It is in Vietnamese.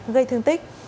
gây thương tích